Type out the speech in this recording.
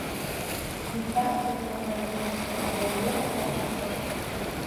Дзіця, якое нарадзілася, для яе стала чацвёртым.